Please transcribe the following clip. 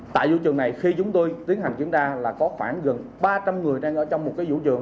tại vũ trường này khi chúng tôi tiến hành kiểm tra là có khoảng gần ba trăm linh người đang ở trong một cái vũ trường